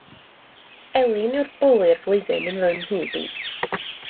Elin yw'r bwli'r flwyddyn yn fy nhyb i